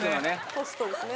ホストですね。